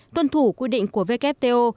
tuân thủ quy định của wfto